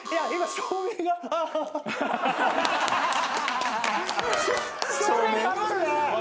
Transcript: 「照明かぶるね！